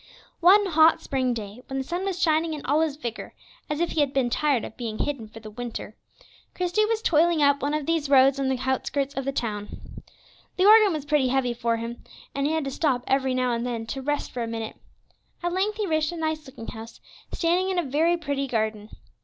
One hot spring day, when the sun was shining in all his vigor, as if he had been tired of being hidden in the winter, Christie was toiling up one of these roads on the outskirts of the town. The organ was very heavy for him, and he had to stop every now and then to rest for a minute. At length he reached a nice looking house, standing in a very pretty garden.